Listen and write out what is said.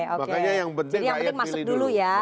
makanya yang penting rakyat pilih dulu